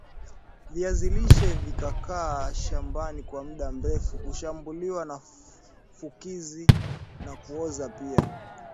viazi lishe vikikaa shamaban kwa mda meru hushambuliwa na fukuzi na kuoza pia